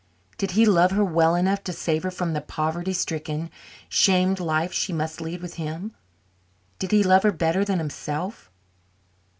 Did he love her well enough to save her from the poverty stricken, shamed life she must lead with him? Did he love her better than himself?